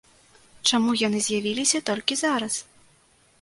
Чаму яны з'явіліся толькі зараз?